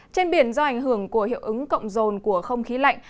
trên biển do ảnh hưởng của hiệu ứng cộng rồn của không khí lạnh